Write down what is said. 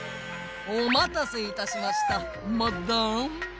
おまたせいたしましたマダム。